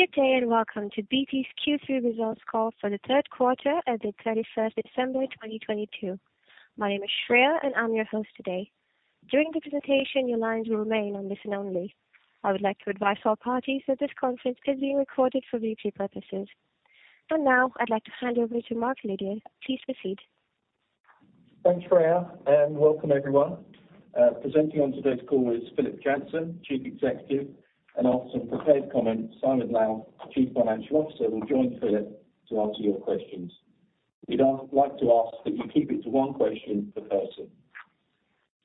Good day, welcome to BT's Q3 results call for the third quarter ended 31st December 2022. My name is Shreya, I'm your host today. During the presentation, your lines will remain on listen only. I would like to advise all parties that this conference is being recorded for BT purposes. Now I'd like to hand over to Mark Liddell. Please proceed. Thanks, Shreya. Welcome everyone. Presenting on today's call is Philip Jansen, Chief Executive, and after some prepared comments, Simon Lowth, Chief Financial Officer, will join Philip to answer your questions. We'd like to ask that you keep it to one question per person.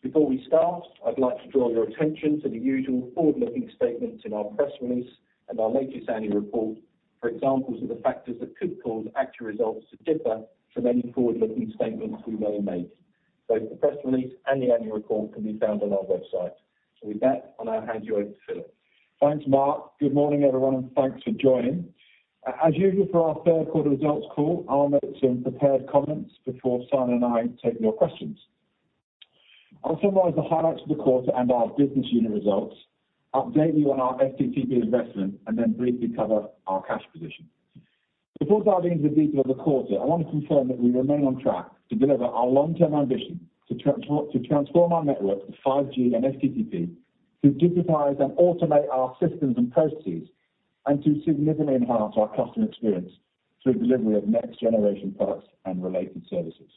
Before we start, I'd like to draw your attention to the usual forward-looking statements in our press release and our latest annual report for examples of the factors that could cause actual results to differ from any forward-looking statements we may have made. Both the press release and the annual report can be found on our website. With that, I'll hand you over to Philip. Thanks, Mark. Good morning, everyone, thanks for joining. As usual for our third quarter results call, I'll make some prepared comments before Simon and I take your questions. I'll summarize the highlights of the quarter and our business unit results, update you on our FTTP investment, then briefly cover our cash position. Before diving into the detail of the quarter, I wanna confirm that we remain on track to deliver our long-term ambition to transform our network to 5G and FTTP, to digitize and automate our systems and processes, to significantly enhance our customer experience through delivery of next-generation products and related services.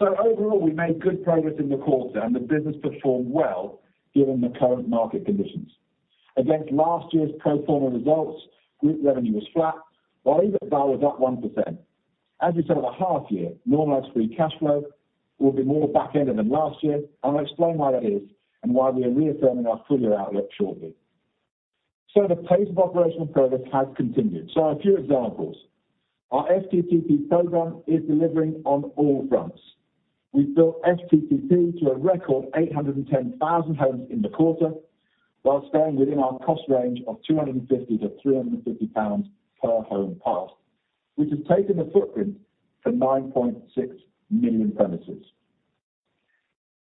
Overall, we made good progress in the quarter, the business performed well given the current market conditions. Against last year's pro forma results, group revenue was flat, while EBITDA was up 1%.As we said at the half year, normalized free cash flow will be more back-ended than last year. I'll explain why that is and why we are reaffirming our full-year outlook shortly. The pace of operational progress has continued. A few examples. Our FTTP program is delivering on all fronts. We've built FTTP to a record 810,000 homes in the quarter, while staying within our cost range of 250-350 pounds per home passed, which has taken the footprint to 9.6 million premises.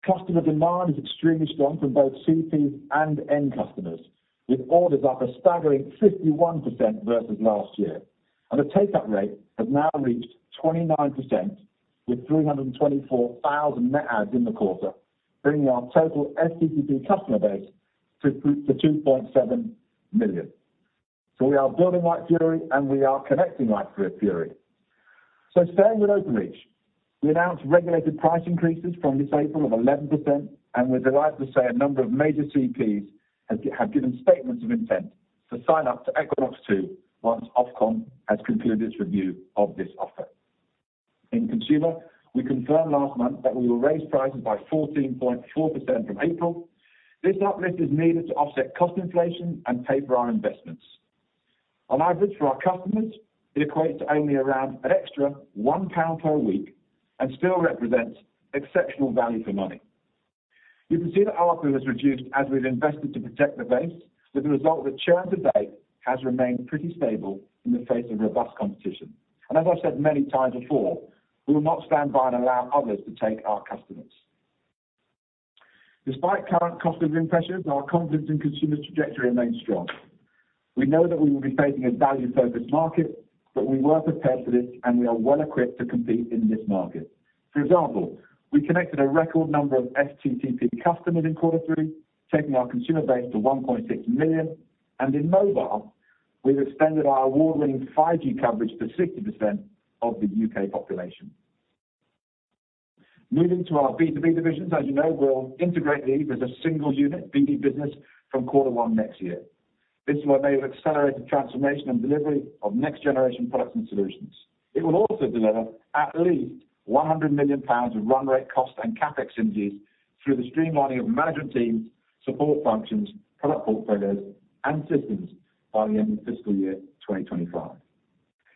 Customer demand is extremely strong from both CPs and end customers, with orders up a staggering 51% versus last year. The take-up rate has now reached 29% with 324,000 net adds in the quarter, bringing our total FTTP customer base to 2.7 million. We are building like fury, and we are connecting like fury. Staying with Openreach, we announced regulated price increases from this April of 11%, and we're delighted to say a number of major CPs have given statements of intent to sign up to Equinox 2 once Ofcom has concluded its review of this offer. In Consumer, we confirmed last month that we will raise prices by 14.4% from April. This uplift is needed to offset cost inflation and pay for our investments. On average for our customers, it equates to only around an extra 1 pound per week and still represents exceptional value for money. You can see that ARPU has reduced as we've invested to protect the base, with the result that churn-to-date has remained pretty stable in the face of robust competition. As I've said many times before, we will not stand by and allow others to take our customers. Despite current cost living pressures, our confidence in consumers' trajectory remains strong. We know that we will be facing a value-focused market, but we were prepared for this, and we are well equipped to compete in this market. For example, we connected a record number of FTTP customers in quarter three, taking our consumer base to 1.6 million. In mobile, we've extended our award-winning 5G coverage to 60% of the UK population. Moving to our B2B divisions, as you know, we'll integrate these as a single unit, BT Business, from quarter one next year. This is where they've accelerated transformation and delivery of next-generation products and solutions. It will also deliver at least 100 million pounds of run rate cost and CapEx synergies through the streamlining of management teams, support functions, product portfolios, and systems by the end of fiscal year 2025.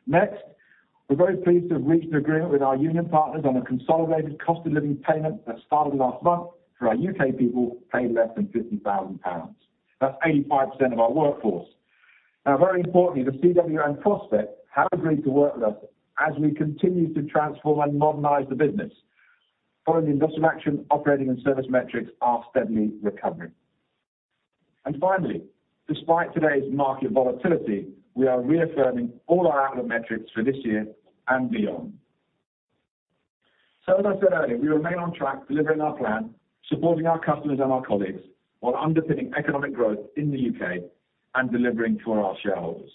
We're very pleased to have reached an agreement with our union partners on a consolidated cost of living payment that started last month for our U.K. people paying less than 50,000 pounds. That's 85% of our workforce. Very importantly, the CWU and Prospect have agreed to work with us as we continue to transform and modernize the business. Following industrial action, operating and service metrics are steadily recovering. Finally, despite today's market volatility, we are reaffirming all our outlook metrics for this year and beyond. As I said earlier, we remain on track delivering our plan, supporting our customers and our colleagues, while underpinning economic growth in the U.K. and delivering to our shareholders.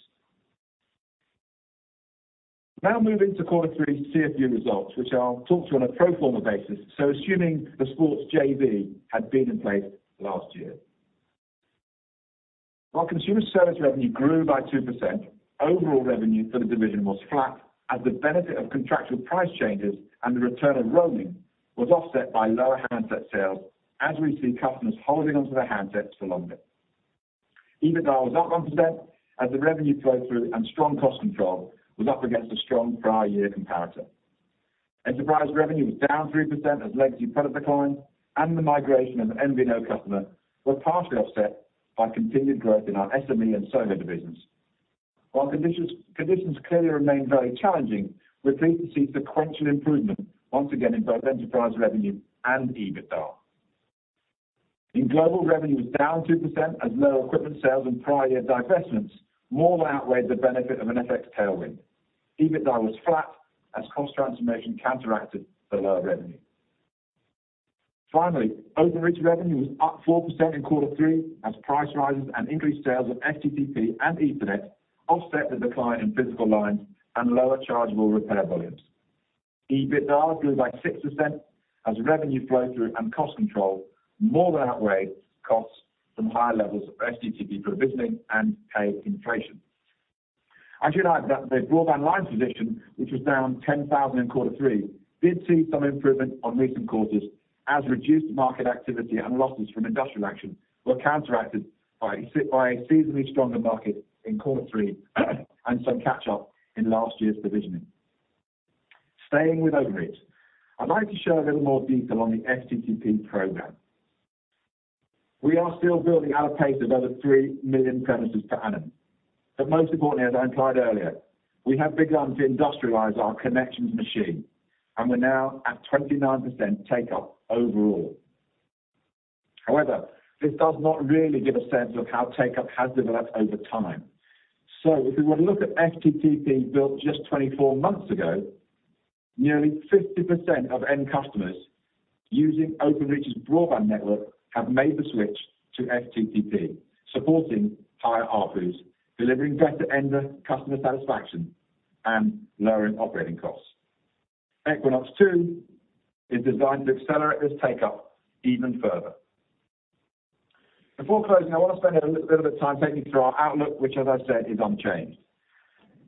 Moving to quarter three CFU results, which I'll talk to on a pro forma basis, assuming the Sports JV had been in place last year. Consumer service revenue grew by 2%, overall revenue for the division was flat as the benefit of contractual price changes and the return of roaming was offset by lower handset sales, as we see customers holding onto their handsets for longer. EBITDA was up 1% as the revenue flow-through and strong cost control was up against a strong prior year comparator. Enterprise revenue was down 3% as legacy product decline and the migration of an MVNO customer were partially offset by continued growth in our SME and SoHo divisions. Conditions clearly remain very challenging, we're pleased to see sequential improvement once again in both enterprise revenue and EBITDA. In global, revenue was down 2% as low equipment sales and prior year divestments more than outweighed the benefit of an FX tailwind. EBITDA was flat as cost transformation counteracted the lower revenue. Openreach revenue was up 4% in quarter three as price rises and increased sales of FTTP and Ethernet offset the decline in physical lines and lower chargeable repair volumes. EBITDA grew by 6% as revenue flow through and cost control more than outweighed costs from higher levels of FTTP provisioning and pay inflation. I should add that the broadband line position, which was down 10,000 in Q3, did see some improvement on recent quarters as reduced market activity and losses from industrial action were counteracted by a seasonally stronger market in Q3 and some catch up in last year's divisioning. Staying with Openreach, I'd like to show a little more detail on the FTTP program. We are still building at a pace of over 3 million premises per annum, but most importantly, as I implied earlier, we have begun to industrialize our connections machine, and we're now at 29% take up overall. However, this does not really give a sense of how take up has developed over time. If we were to look at FTTP built just 24 months ago, nearly 50% of end customers using Openreach's broadband network have made the switch to FTTP, supporting higher ARPUs, delivering better end customer satisfaction and lowering operating costs. Equinox 2 is designed to accelerate this take-up even further. Before closing, I wanna spend a little bit of time taking you through our outlook, which as I said is unchanged.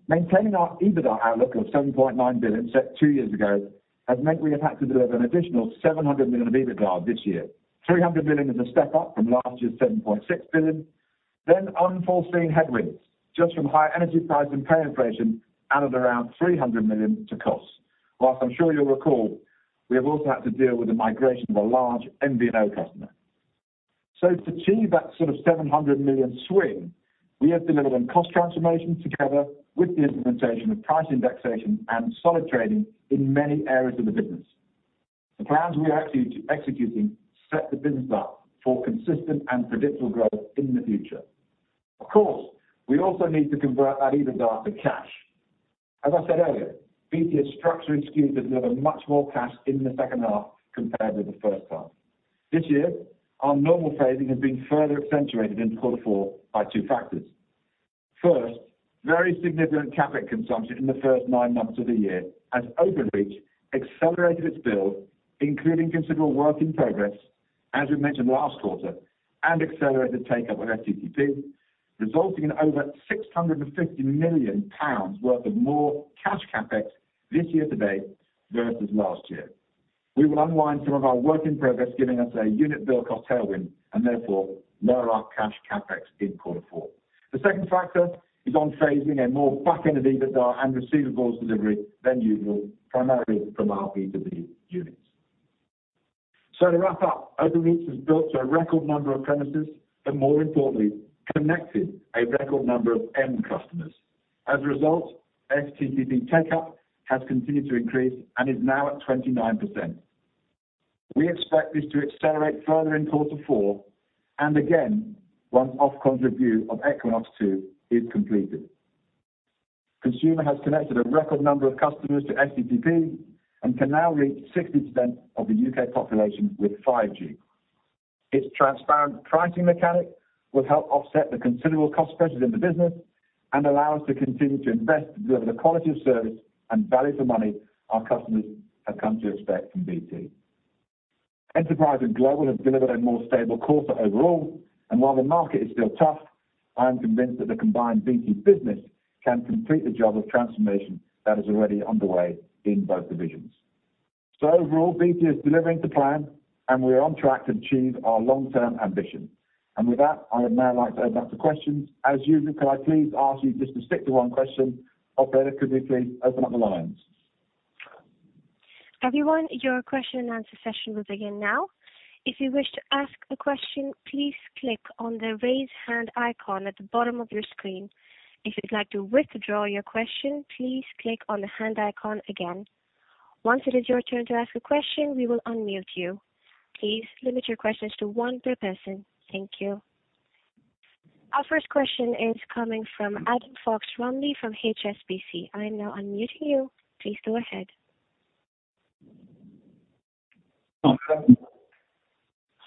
Maintaining our EBITDA outlook of 7.9 billion set two years ago has meant we have had to deliver an additional 700 million of EBITDA this year. 300 million is a step up from last year's 7.6 billion. Unforeseen headwinds just from higher energy prices and pay inflation added around 300 million to costs. I'm sure you'll recall, we have also had to deal with the migration of a large MVNO customer. To achieve that sort of 700 million swing, we have delivered on cost transformation together with the implementation of price indexation and solid trading in many areas of the business. The plans we are executing set the business up for consistent and predictable growth in the future. Of course, we also need to convert that EBITDA to cash. As I said earlier, BT is structurally skewed to deliver much more cash in the second half compared with the first half. This year, our normal phasing has been further accentuated in quarter four by two factors. Very significant CapEx consumption in the first nine months of the year as Openreach accelerated its build, including considerable work in progress, as we mentioned last quarter, and accelerated take up with FTTP, resulting in over 650 million pounds worth of more cash CapEx this year to date versus last year. We will unwind some of our work in progress, giving us a unit bill cost tailwind and therefore lower our cash CapEx in quarter four. The second factor is on phasing a more back end of EBITDA and receivables delivery than usual, primarily from our B2B units. To wrap up, Openreach has built a record number of premises and more importantly, connected a record number of end customers. As a result, FTTP take up has continued to increase and is now at 29%. We expect this to accelerate further in quarter four and again once Ofcom's review of Equinox 2 is completed. Consumer has connected a record number of customers to FTTP and can now reach 60% of the U.K. population with 5G. Its transparent pricing mechanic will help offset the considerable cost pressures in the business and allow us to continue to invest to deliver the quality of service and value for money our customers have come to expect from BT. Enterprise and Global have delivered a more stable quarter overall. While the market is still tough, I am convinced that the combined BT Business can complete the job of transformation that is already underway in both divisions. Overall, BT is delivering to plan, and we are on track to achieve our long-term ambition. With that, I would now like to open up to questions. As usual, could I please ask you just to stick to one question? Operator, could you please open up the lines? Everyone, your question and answer session will begin now. If you wish to ask a question, please click on the Raise Hand icon at the bottom of your screen. If you'd like to withdraw your question, please click on the hand icon again. Once it is your turn to ask a question, we will unmute you. Please limit your questions to one per person. Thank you. Our first question is coming from Adam Fox-Rumley from HSBC. I'm now unmuting you. Please go ahead.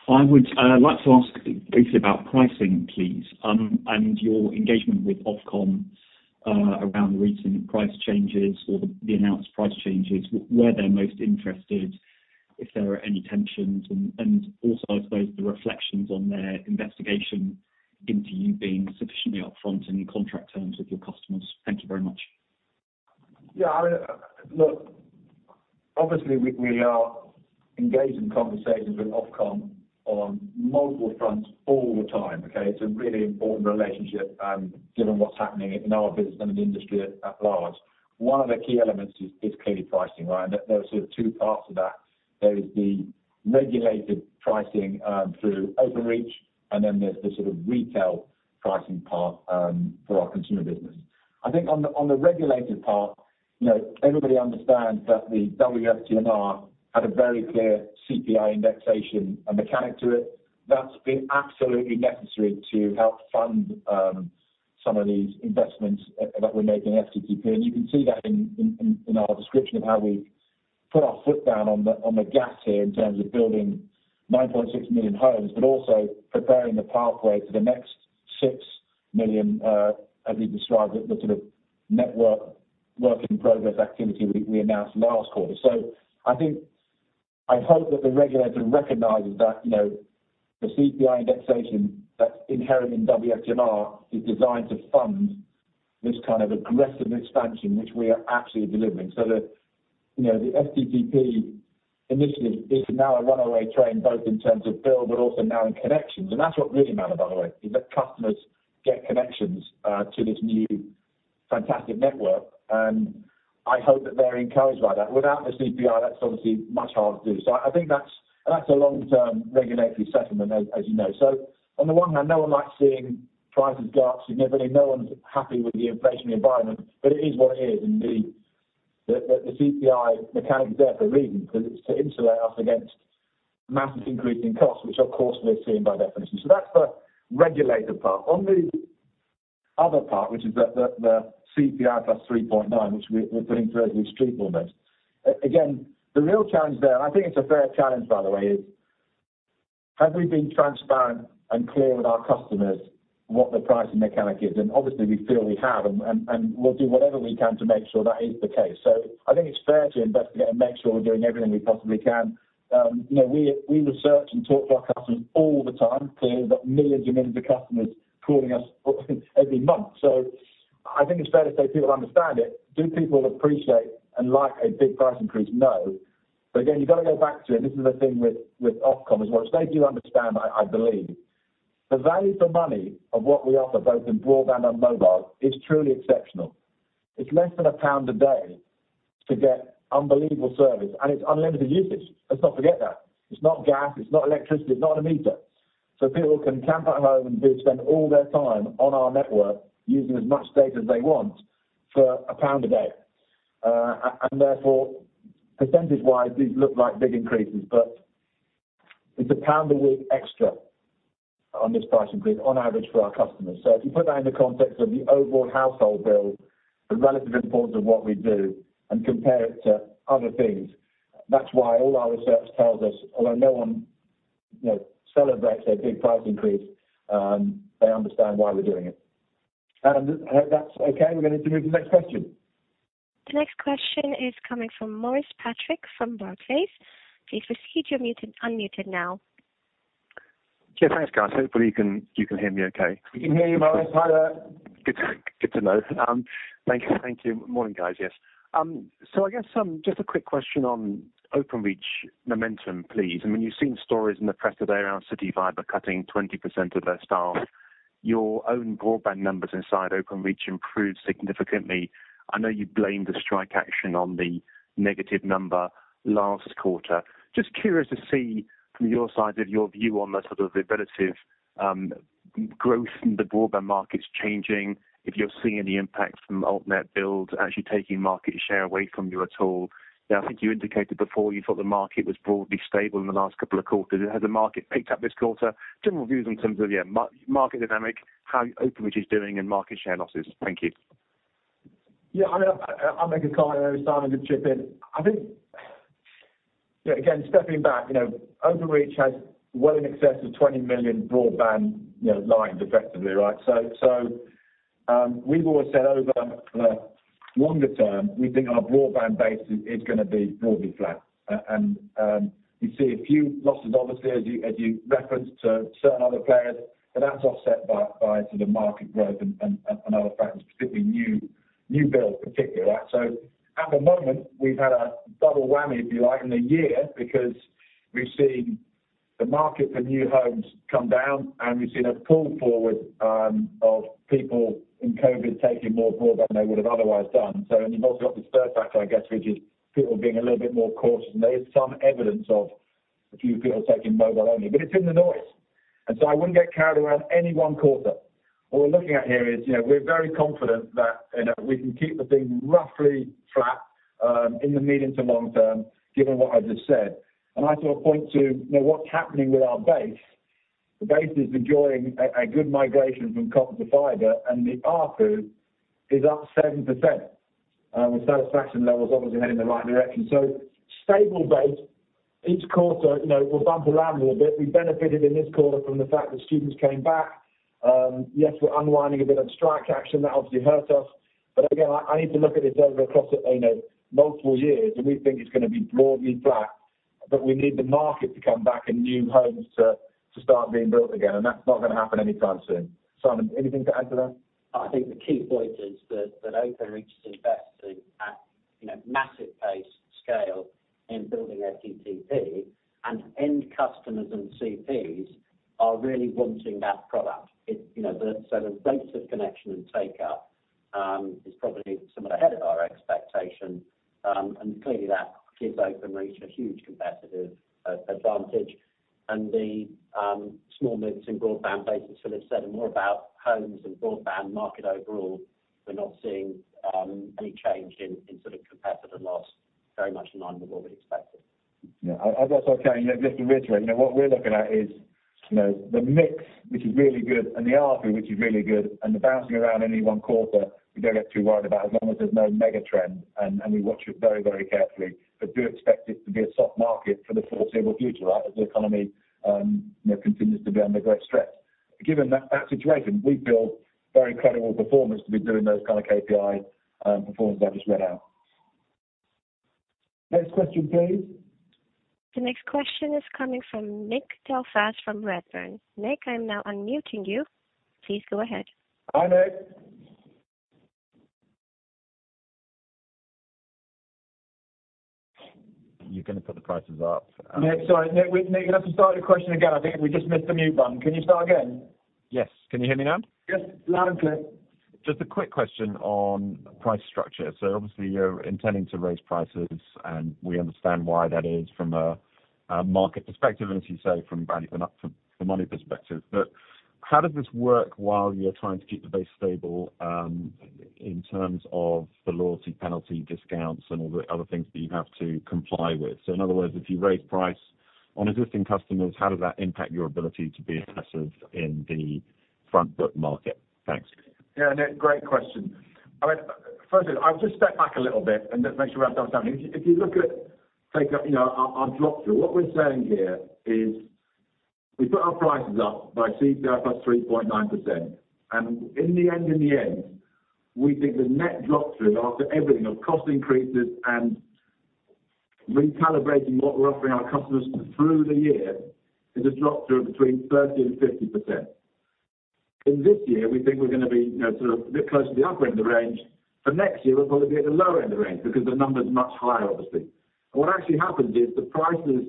I would like to ask basically about pricing, please, and your engagement with Ofcom around the recent price changes or the announced price changes, where they're most interested, if there are any tensions and also I suppose the reflections on their investigation into you being sufficiently up front in your contract terms with your customers. Thank you very much. Yeah. I mean, look, obviously we are engaged in conversations with Ofcom on multiple fronts all the time, okay? It's a really important relationship, given what's happening in our business and in the industry at large. One of the key elements is clearly pricing, right? There are sort of two parts to that. There is the regulated pricing through Openreach, and then there's the sort of retail pricing part for our consumer business. I think on the regulated part. You know, everybody understands that the WFTMR had a very clear CPI indexation, mechanic to it. That's been absolutely necessary to help fund some of these investments that we make in FTTP. You can see that in our description of how we put our foot down on the gas here in terms of building 9.6 million homes, but also preparing the pathway to the next 6 million as we described it, the sort of network work in progress activity we announced last quarter. I think, I hope that the regulator recognizes that, you know, the CPI indexation that's inherent in WFTMR is designed to fund this kind of aggressive expansion, which we are actually delivering. The, you know, the FTTP initiative is now a runaway train, both in terms of build, but also now in connections. That's what really matters, by the way, is that customers get connections to this new fantastic network. I hope that they're encouraged by that. Without the CPI, that's obviously much harder to do. I think that's a long-term regulatory settlement as you know. On the one hand, no one likes seeing prices go up significantly. No one's happy with the inflationary environment, but it is what it is. The CPI mechanic is there for a reason, because it's to insulate us against massive increase in costs, which of course we're seeing by definition. That's the regulator part. On the other part, which is the CPI plus 3.9, which we're putting through as we speak almost. Again, the real challenge there, and I think it's a fair challenge, by the way, is have we been transparent and clear with our customers what the pricing mechanic is? Obviously, we feel we have, and we'll do whatever we can to make sure that is the case. I think it's fair to investigate and make sure we're doing everything we possibly can. You know, we research and talk to our customers all the time. Clearly, we've got millions and millions of customers calling us every month. I think it's fair to say people understand it. Do people appreciate and like a big price increase? No. Again, you've got to go back to it. This is the thing with Ofcom as well, which they do understand, I believe. The value for money of what we offer both in broadband and mobile is truly exceptional. It's less than GBP 1 a day to get unbelievable service, and it's unlimited usage. Let's not forget that. It's not gas, it's not electricity, it's not a meter. People can camp at home and do spend all their time on our network using as much data as they want for GBP 1 a day. Therefore, percentage-wise, these look like big increases, but it's GBP 1 a week extra on this price increase on average for our customers. If you put that in the context of the overall household bill, the relative importance of what we do and compare it to other things, that's why all our research tells us although no one, you know, celebrates a big price increase, they understand why we're doing it. I hope that's okay. We're going to move to the next question. The next question is coming from Maurice Patrick from Barclays. Please proceed. You're muted, unmuted now. Thanks, guys. Hopefully you can hear me okay. We can hear you, Maurice. Hi there. Good to know. Thank you. Thank you. Morning, guys. Yes. I guess, just a quick question on Openreach momentum, please. I mean, you've seen stories in the press today around CityFibre cutting 20% of their staff. Your own broadband numbers inside Openreach improved significantly. I know you blamed the strike action on the negative number last quarter. Just curious to see from your side of your view on the sort of the relative growth in the broadband markets changing, if you're seeing any impact from altnet build actually taking market share away from you at all. I think you indicated before you thought the market was broadly stable in the last couple of quarters. Has the market picked up this quarter? General views in terms of, yeah, market dynamic, how Openreach is doing and market share losses. Thank you. I'll make a comment there and Simon can chip in. I think, you know, again, stepping back, you know, Openreach has well in excess of 20 million broadband, you know, lines effectively, right. We've always said over the longer term, we think our broadband base is gonna be broadly flat. And, you see a few losses, obviously, as you referenced to certain other players, but that's offset by sort of market growth and other factors, particularly new build particularly, right. At the moment, we've had a double whammy, if you like, in a year because we've seen the market for new homes come down and we've seen a pull forward of people in COVID taking more broadband than they would have otherwise done. You've also got this third factor, I guess, which is people being a little bit more cautious. There is some evidence of a few people taking mobile only, but it's in the noise. I wouldn't get carried away on any one quarter. What we're looking at here is, you know, we're very confident that, you know, we can keep the thing roughly flat, in the medium to long term, given what I just said. I sort of point to, you know, what's happening with our base. The base is enjoying a good migration from copper to fiber, and the ARPU is up 7% with satisfaction levels obviously heading in the right direction. Stable base each quarter, you know, will bump around a little bit. We benefited in this quarter from the fact that students came back. Yes, we're unwinding a bit of strike action that obviously hurt us. Again, I need to look at this over across, you know, multiple years, and we think it's gonna be broadly flat. We need the market to come back and new homes to start being built again. That's not gonna happen any time soon. Simon, anything to add to that? I think the key point is that Openreach is investing at, you know, massive pace scale in building FTTP and end customers and CPs are really wanting that product. It, you know, the rates of connection and take-up is probably somewhat ahead of our expectations. Clearly that gives Openreach a huge competitive advantage. The small moves in broadband base, as Philip said, are more about homes and broadband market overall. We're not seeing any change in sort of competitor loss, very much in line with what we'd expected. Yeah. I've also, okay, just to reiterate, you know, what we're looking at is, you know, the mix, which is really good, and the ARPU, which is really good. The bouncing around any one quarter, we don't get too worried about as long as there's no mega trend, and we watch it very, very carefully. Do expect it to be a soft market for the foreseeable future, right? As the economy, you know, continues to be under great stress. Given that situation, we feel very credible performance to be doing those kind of KPI performance that I just read out. Next question please. The next question is coming from Nick Lyall from Redburn. Nick, I'm now unmuting you. Please go ahead. Hi, Nick. You're gonna put the prices up, Nick, sorry. Nick, you're gonna have to start your question again. I think we just missed the mute button. Can you start again? Yes. Can you hear me now? Yes. Loud and clear. Just a quick question on price structure. Obviously you're intending to raise prices, and we understand why that is from a market perspective and, as you say, from value for money perspective. How does this work while you're trying to keep the base stable, in terms of the loyalty penalty discounts and all the other things that you have to comply with? In other words, if you raise price on existing customers, how does that impact your ability to be aggressive in the front book market? Thanks. Yeah, Nick, great question. I mean, first of all, I'll just step back a little bit and just make sure I understand. If you look at, take a, you know, our drop through, what we're saying here is we put our prices up by CPI plus 3.9%. In the end, we think the net drop-through after everything, of cost increases and recalibrating what we're offering our customers through the year, is a drop-through of between 30% and 50%. In this year, we think we're gonna be, you know, sort of a bit closer to the upper end of the range. For next year, we'll probably be at the lower end of the range because the number's much higher, obviously. What actually happens is the prices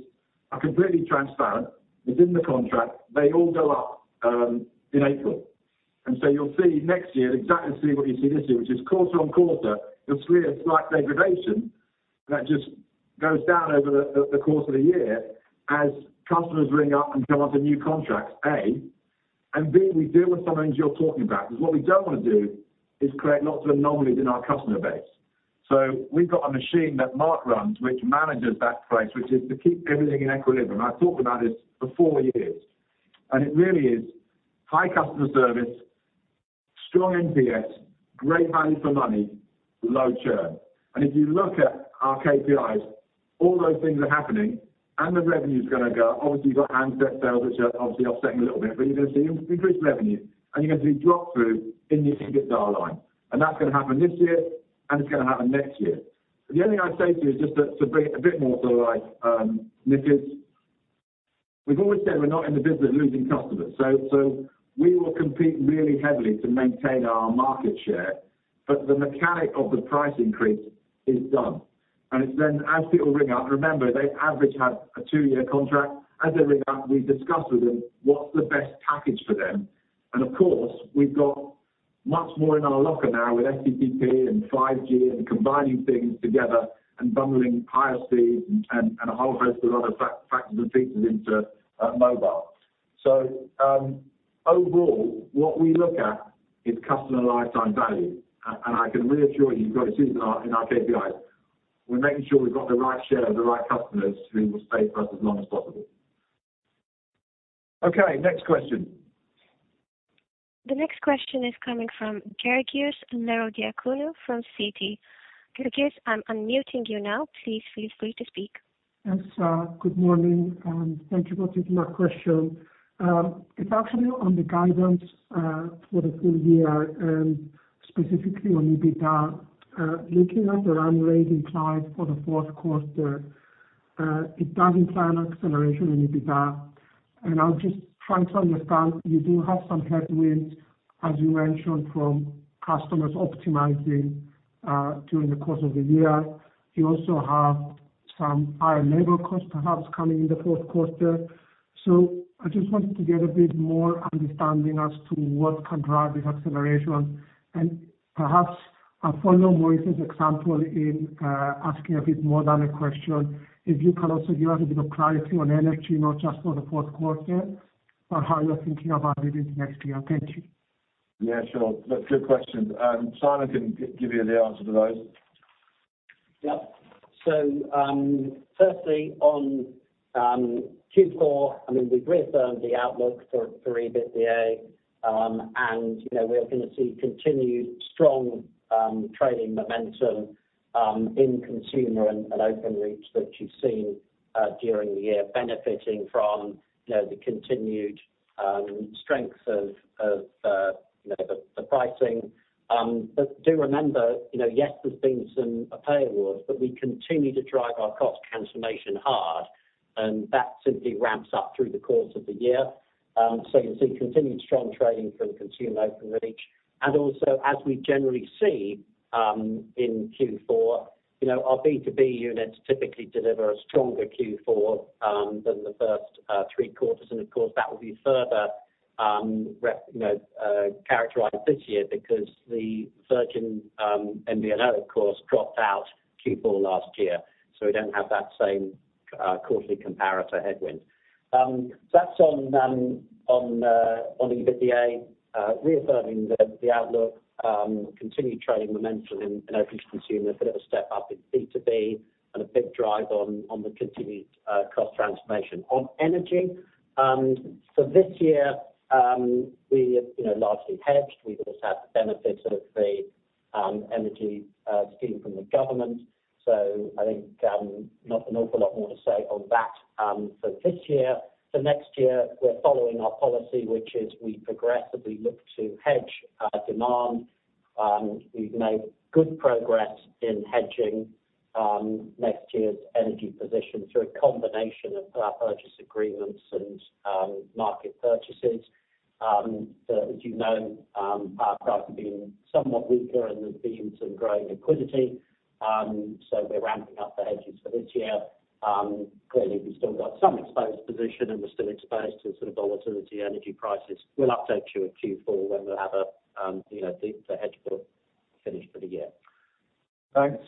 are completely transparent within the contract. They all go up in April. You'll see next year exactly see what you see this year, which is quarter-on-quarter, you'll see a slight degradation that just goes down over the course of the year as customers ring up and come onto new contracts, A. And B, we deal with some of the things you're talking about, because what we don't wanna do is create lots of anomalies in our customer base. We've got a machine that Mark runs, which manages that price, which is to keep everything in equilibrium. I've talked about this for four years. It really is high customer service, strong NPS, great value for money, low churn. If you look at our KPIs, all those things are happening. The revenue's gonna go, obviously you've got handset sales, which are obviously offsetting a little bit, but you're gonna see increased revenue, and you're gonna see drop-through in the EBITDA line. That's gonna happen this year, and it's gonna happen next year. The only thing I'd say to you is just to bring it a bit more to life, Nick, is we've always said we're not in the business of losing customers. We will compete really heavily to maintain our market share, but the mechanic of the price increase is done. It's then as people ring up, remember, they average have a two-year contract. As they ring up, we discuss with them what's the best package for them. Of course, we've got much more in our locker now with FTTP and 5G and combining things together and bundling IoT and a whole host of other facts and features into mobile. Overall, what we look at is customer lifetime value. I can reassure you, because it is in our, in our KPIs, we're making sure we've got the right share of the right customers who will stay with us as long as possible. Okay, next question. The next question is coming from Georgios Ierodiaconou from Citi. Georgios, I'm unmuting you now. Please feel free to speak. Yes, good morning. Thank you for taking my question. It's actually on the guidance for the full year, specifically on EBITDA. Looking at the run rate implied for the fourth quarter, it does imply an acceleration in EBITDA. I'm just trying to understand, you do have some headwinds, as you mentioned, from customers optimizing during the course of the year. You also have some higher labor costs perhaps coming in the fourth quarter. I just wanted to get a bit more understanding as to what can drive this acceleration. Perhaps I'll follow Maurice's example in asking a bit more than a question. If you could also give us a bit of clarity on energy, not just for the fourth quarter, but how you're thinking about it in next year. Thank you. Yeah, sure. Good question. Simon can give you the answer to those. Firstly, on Q4, we've reaffirmed the outlook for EBITDA. You know, we are gonna see continued strong trading momentum in Consumer and Openreach, which you've seen during the year, benefiting from, you know, the continued strength of the pricing. Do remember, you know, yes, there's been some pay awards, but we continue to drive our cost transformation hard, and that simply ramps up through the course of the year. You'll see continued strong trading from Consumer and Openreach. Also, as we generally see in Q4, you know, our B2B units typically deliver a stronger Q4 than the first three quarters. Of course, that will be further, you know, characterized this year because the Virgin MVNO, of course, dropped out Q4 last year, so we don't have that same quarterly comparator headwind. That's on EBITDA. Reaffirming the outlook, continued trading momentum in Openreach Consumer, a bit of a step up in B2B, and a big drive on the continued cost transformation. On energy, so this year, we, you know, largely hedged. We've also had the benefit of the energy scheme from the government. I think not an awful lot more to say on that for this year. For next year, we're following our policy, which is we progressively look to hedge our demand. We've made good progress in hedging next year's energy position through a combination of power purchase agreements and market purchases. As you know, power prices have been somewhat weaker and there's been some growing liquidity. We're ramping up the hedges for this year. Clearly we've still got some exposed position and we're still exposed to sort of volatility energy prices. We'll update you in Q4 when we'll have a, you know, the hedge book finished for the year. Thanks.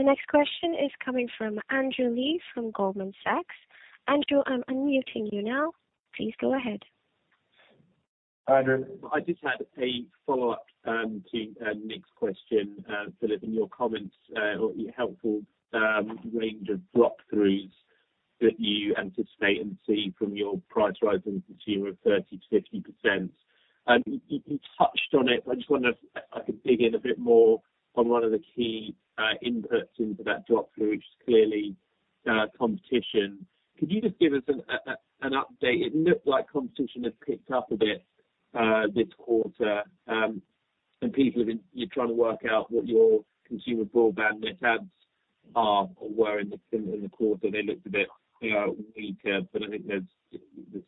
The next question is coming from Andrew Lee from Goldman Sachs. Andrew, I'm unmuting you now. Please go ahead. Andrew. I just had a follow-up to Nick's question, Philip, and your comments or your helpful range of drop-throughs that you anticipate and see from your price rises in consumer of 30%-50%. You touched on it, but I just wondered if I could dig in a bit more on one of the key inputs into that drop-through, which is clearly competition. Could you just give us an update? It looked like competition has picked up a bit this quarter, and people have been trying to work out what your consumer broadband net adds are or were in the quarter. They looked a bit, you know, weaker, but I think there's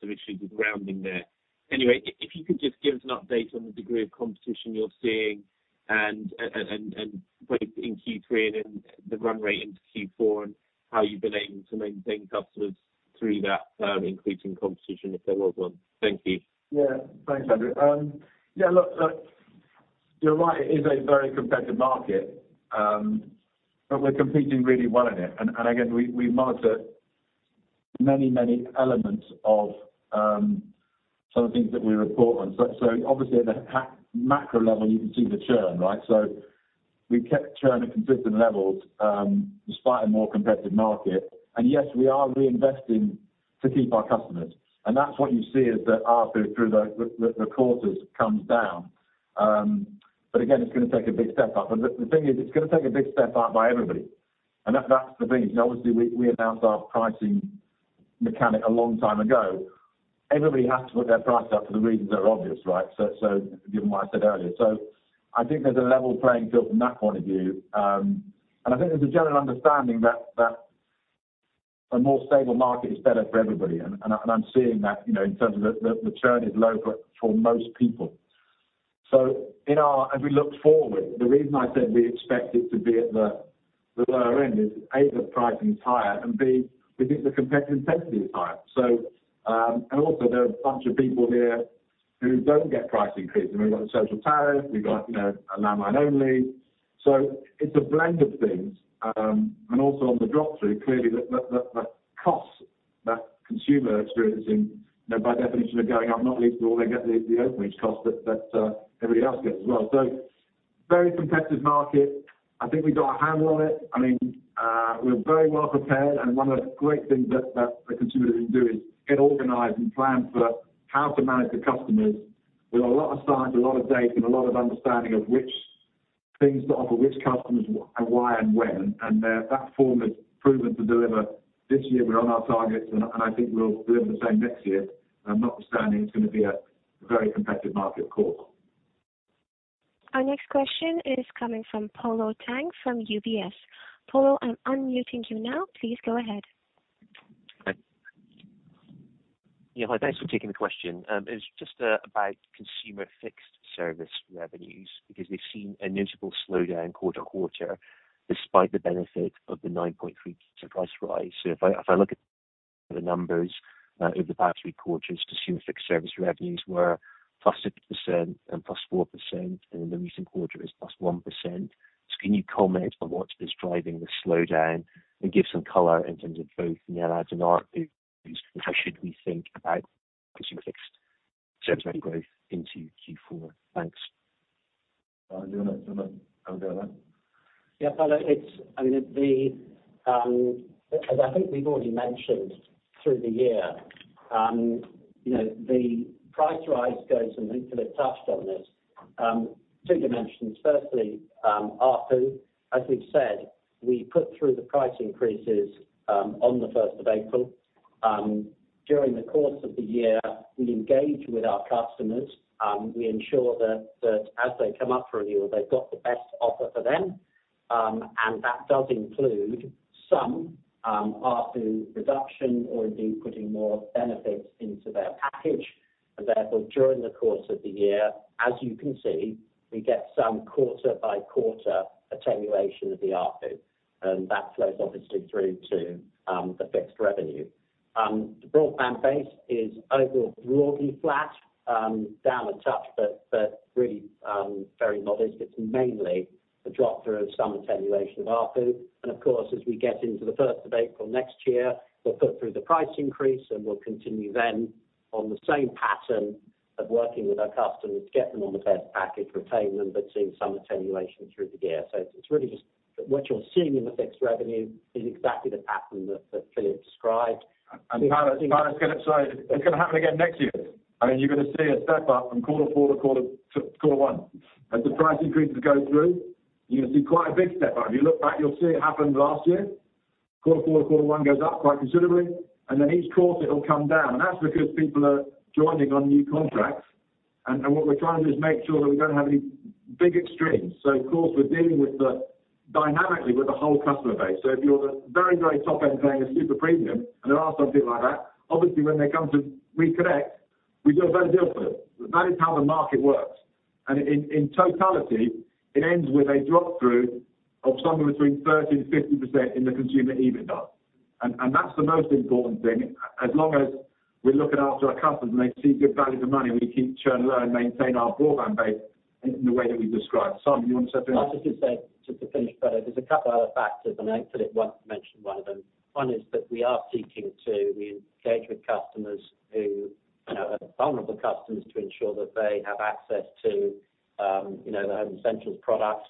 some issues with rounding there. If you could just give us an update on the degree of competition you're seeing and both in Q3 and in the run rate into Q4 and how you've been able to maintain customers through that increasing competition, if there was one. Thank you. Thanks, Andrew. Yeah, look, you're right, it is a very competitive market, we're competing really well in it. Again, we monitor many elements of some of the things that we report on. Obviously at a macro level, you can see the churn, right? We've kept churn at consistent levels despite a more competitive market. Yes, we are reinvesting to keep our customers. That's what you see is that our ARPU through the quarters comes down. Again, it's gonna take a big step up. The thing is, it's gonna take a big step up by everybody. That's the thing is obviously we announced our pricing mechanic a long time ago. Everybody has to put their price up for the reasons that are obvious, right? Given what I said earlier. I think there's a level playing field from that point of view. And I think there's a general understanding that a more stable market is better for everybody. And I'm seeing that, you know, in terms of the churn is low for most people. As we look forward, the reason I said we expect it to be at the lower end is, A, the pricing is higher, and B, we think the competitive intensity is higher. And also there are a bunch of people here who don't get price increases. I mean, we've got the social tariff, we've got, you know, a landline only. It's a blend of things. Also on the drop-through, clearly the costs that Consumer are experiencing, you know, by definition are going up, not least of all they get the Openreach cost that everybody else gets as well. Very competitive market. I think we've got a handle on it. I mean, we're very well prepared, one of the great things that the Consumer didn't do is get organized and plan for how to manage the customers with a lot of science, a lot of data, and a lot of understanding of which things to offer which customers and why and when. That form has proven to deliver. This year, we're on our targets, and I think we'll deliver the same next year, notwithstanding it's gonna be a very competitive market, of course. Our next question is coming from Polo Tang from UBS. Polo, I'm unmuting you now. Please go ahead. Hi. Yeah, hi. Thanks for taking the question. It's just about consumer fixed service revenues because we've seen a noticeable slowdown quarter-to-quarter despite the benefit of the 9.3% price rise. If I look at the numbers over the past three quarters, consumer fixed service revenues were +6% and +4%, and in the recent quarter is +1%. Can you comment on what is driving the slowdown and give some color in terms of both net adds and ARPU, and how should we think about consumer fixed service revenue growth into Q4? Thanks. Do you wanna handle that? Yeah, Polo, I mean, as I think we've already mentioned through the year, you know, the price rise goes, and Nicola touched on this, two dimensions. Firstly, ARPU, as we've said, we put through the price increases on the first of April. During the course of the year, we engage with our customers. We ensure that as they come up for renewal, they've got the best offer for them. That does include some ARPU reduction or indeed putting more benefits into their package. Therefore, during the course of the year, as you can see, we get some quarter by quarter attenuation of the ARPU, and that flows obviously through to the fixed revenue. The broadband base is overall broadly flat, down a touch, but really very modest. It's mainly the drop through some attenuation of ARPU. Of course, as we get into the 1st of April next year, we'll put through the price increase, and we'll continue then on the same pattern of working with our customers to get them on the best package, retain them, but seeing some attenuation through the year. It's really just. What you're seeing in the fixed revenue is exactly the pattern that Philip described. I'm gonna, Simon sorry, it's gonna happen again next year. I mean, you're gonna see a step up from quarter four to quarter one. As the price increases go through, you're gonna see quite a big step up. If you look back, you'll see it happened last year. Quarter four to quarter one goes up quite considerably, then each quarter it'll come down. That's because people are joining on new contracts. What we're trying to do is make sure that we don't have any big extremes. Of course, we're dealing dynamically with the whole customer base. If you're the very top end paying a super premium, and there are some people like that, obviously, when they come to reconnect, we do a better deal for them. That is how the market works. In totality, it ends with a drop-through of somewhere between 30%-50% in the consumer EBITDA. That's the most important thing. As long as we're looking after our customers, and they see good value for money, we keep churn low and maintain our broadband base in the way that we've described. Simon, you want to say anything? I was just gonna say, just to finish, Philip, there's a couple other factors, and I think Philip wants to mention one of them. One is that we are seeking to re-engage with customers who, you know, are vulnerable customers to ensure that they have access to, you know, the Home Essentials product.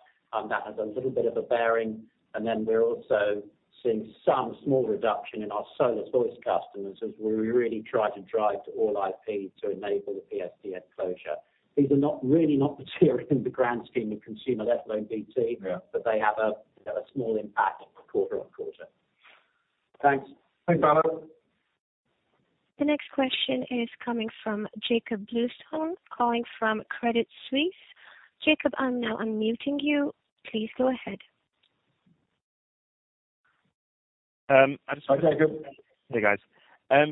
That has a little bit of a bearing. Then we're also seeing some small reduction in our SoHo customers as we really try to drive to all IP to enable the PSTN closure. These are not, really not material in the grand scheme of consumer level at BT. Yeah. They have a, you know, a small impact quarter-on-quarter. Thanks. Thanks, Polo Tang. The next question is coming from Jakob Bluestone, calling from Credit Suisse. Jacob, I'm now unmuting you. Please go ahead. Hi, Jakob. Hey, guys.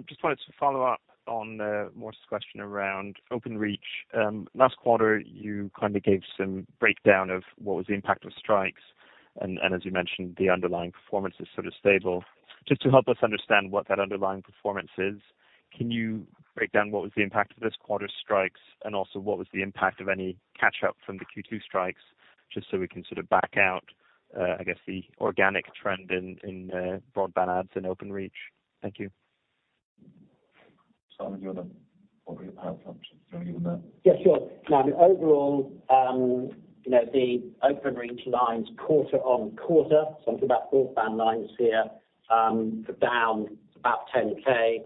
Just wanted to follow up on Maurice's question around Openreach. Last quarter, you kind of gave some breakdown of what was the impact of strikes, and as you mentioned, the underlying performance is sort of stable. Just to help us understand what that underlying performance is, can you break down what was the impact of this quarter's strikes, and also what was the impact of any catch-up from the Q2 strikes, just so we can sort of back out, I guess, the organic trend in broadband adds in Openreach? Thank you. Simon, do you want to Yeah, sure. The overall, you know, the Openreach lines quarter-on-quarter, so I'm talking about broadband lines here, are down about 10K.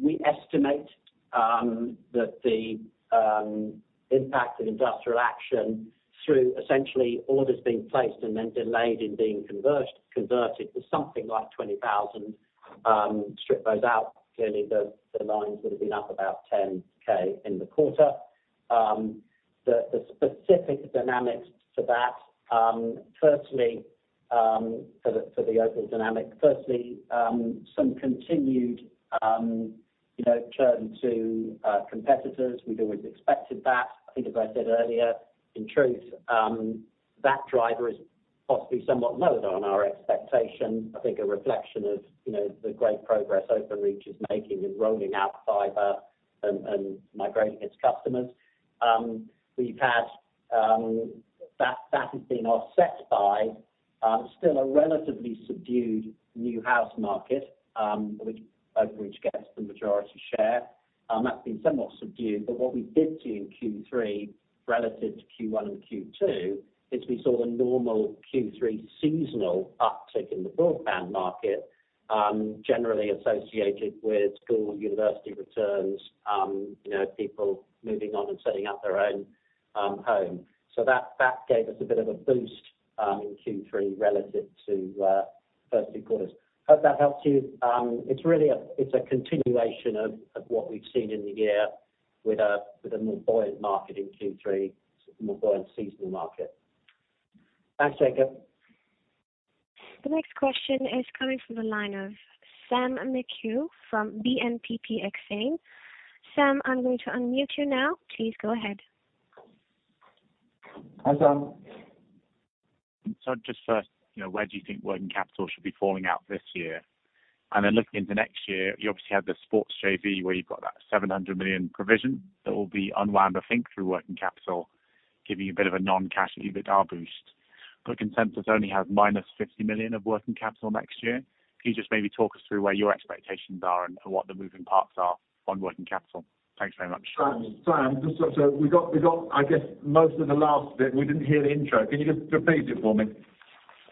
We estimate that the impact of industrial action through essentially orders being placed and then delayed in being converted was something like 20,000. Strip those out, clearly the lines would have been up about 10K in the quarter. The specific dynamics to that, firstly, for the overall dynamic, firstly, some continued, you know, churn to competitors. We'd always expected that. I think as I said earlier, in truth, that driver is possibly somewhat lower than our expectation. I think a reflection of, you know, the great progress Openreach is making in rolling out fiber and migrating its customers. We've had that has been offset by still a relatively subdued new house market, which Openreach gets the majority share. That's been somewhat subdued. What we did see in Q3 relative to Q1 and Q2, is we saw the normal Q3 seasonal uptick in the broadband market, generally associated with school and university returns, you know, people moving on and setting up their own home. That, that gave us a bit of a boost in Q3 relative to first two quarters. Hope that helps you. It's really a, it's a continuation of what we've seen in the year with a, with a more buoyant market in Q3, more buoyant seasonal market. Thanks, Jakob. The next question is coming from the line of Sam McHugh from BNP Paribas Exane. Sam, I'm going to unmute you now. Please go ahead. Hi, Sam. Just first, you know, where do you think working capital should be falling out this year? Looking into next year, you obviously have the Sports JV where you've got that 700 million provision that will be unwound, I think, through working capital, giving you a bit of a non-cash EBITDA boost. Consensus only has minus 50 million of working capital next year. Can you just maybe talk us through where your expectations are and what the moving parts are on working capital? Thanks very much. Sam, just so we got, I guess, most of the last bit. We didn't hear the intro. Can you just repeat it for me?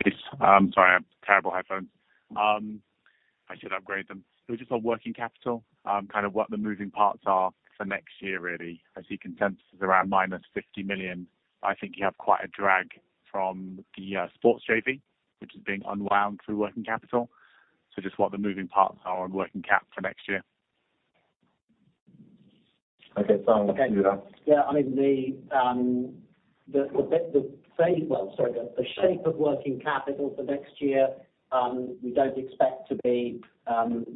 Yes. I'm sorry. I have terrible headphones. I should upgrade them. Just on working capital, kind of what the moving parts are for next year, really. I see consensus is around minus 50 million. I think you have quite a drag from the Sports JV, which is being unwound through working capital. Just what the moving parts are on working cap for next year. Okay. Simon, can you do that? Yeah, I mean, the shape of working capital for next year, we don't expect to be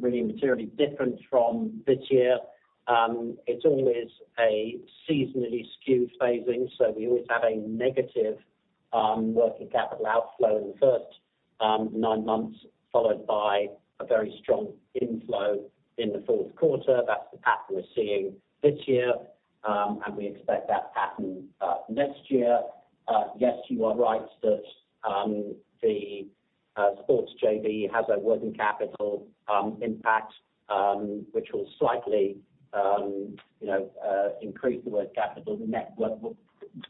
really materially different from this year. It's always a seasonally skewed phasing, so we always have a negative working capital outflow in the first nine months, followed by a very strong inflow in the fourth quarter. That's the pattern we're seeing this year, and we expect that pattern next year. Yes, you are right that the Sports JV has a working capital impact, which will slightly, you know, increase the working capital net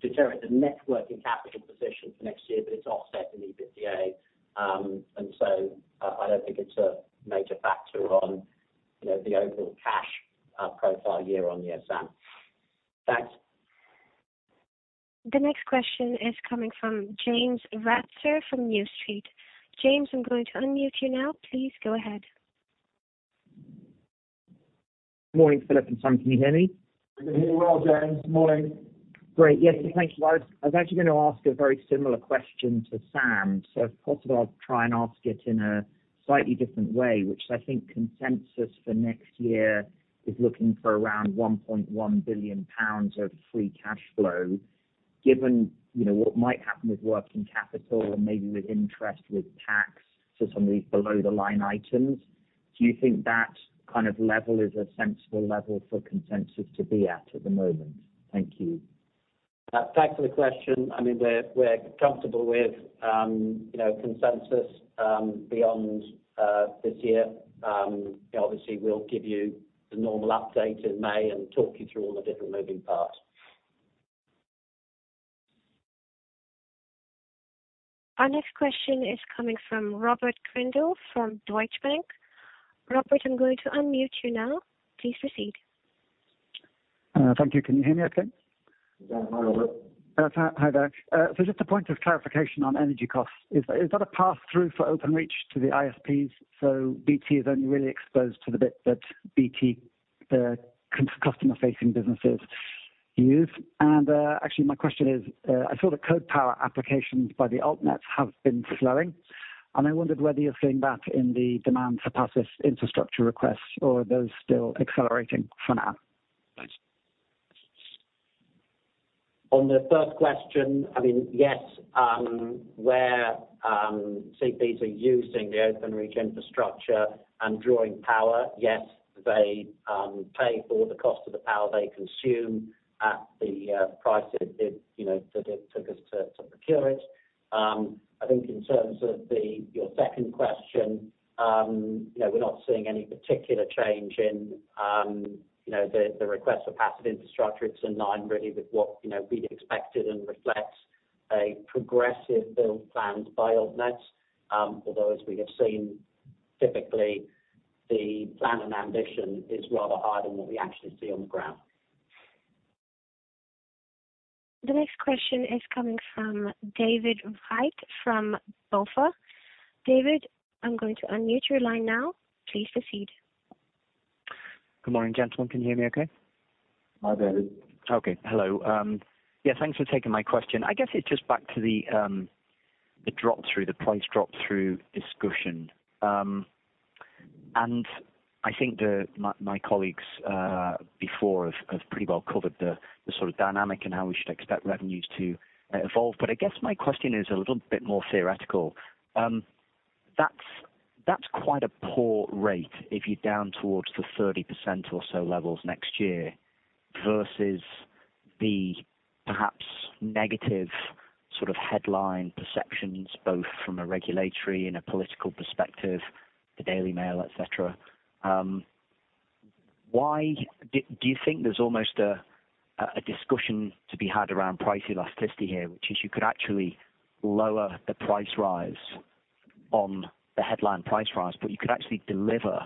deteriorate the net working capital position for next year, but it's offset in EBITDA. I don't think it's a major factor on, you know, the overall cash profile year-on-year, Sam. Thanks. The next question is coming from James Ratzer from New Street. James, I'm going to unmute you now. Please go ahead. Good morning, Philip and Sam. Can you hear me? We can hear you well, James. Morning. Great. Yes, thank you. I was actually gonna ask a very similar question to Sam. If possible, I'll try and ask it in a slightly different way, which is I think consensus for next year is looking for around 1.1 billion pounds of free cash flow. Given, you know, what might happen with working capital and maybe with interest with tax, so some of these below-the-line items, do you think that kind of level is a sensible level for consensus to be at at the moment? Thank you. Thanks for the question. I mean, we're comfortable with, you know, consensus, beyond this year. Obviously, we'll give you the normal update in May and talk you through all the different moving parts. Our next question is coming from Robert Grindle from Deutsche Bank. Robert, I'm going to unmute you now. Please proceed. Thank you. Can you hear me okay? Yeah. Hi, Robert. Hi, hi there. Just a point of clarification on energy costs. Is that a pass-through for Openreach to the ISPs, BT is only really exposed to the bit that BT, the customer-facing businesses use? Actually, my question is, I saw the Code Powers applications by the Altnets have been slowing, and I wondered whether you're seeing that in the demand for passive infrastructure requests or are those still accelerating for now? Thanks. On the first question, I mean, yes, where CPs are using the Openreach infrastructure and drawing power, yes, they pay for the cost of the power they consume at the price it, you know, that it took us to procure it. I think in terms of your second question, you know, we're not seeing any particular change in, you know, the request for passive infrastructure. It's in line really with what, you know, we'd expected and reflects a progressive build planned by Altnets. As we have seen, typically the plan and ambition is rather higher than what we actually see on the ground. The next question is coming from David Wright from BofA. David, I'm going to unmute your line now. Please proceed. Good morning, gentlemen. Can you hear me okay? Hi, David. Okay. Hello. Yeah, thanks for taking my question. I guess it's just back to the drop-through, the price drop-through discussion. I think the my colleagues before have pretty well covered the sort of dynamic in how we should expect revenues to evolve. I guess my question is a little bit more theoretical. That's quite a poor rate if you're down towards the 30% or so levels next year versus the perhaps negative sort of headline perceptions, both from a regulatory and a political perspective, the Daily Mail, et cetera. Why do you think there's almost a discussion to be had around price elasticity here, which is you could actually lower the price rise on the headline price rise, but you could actually deliver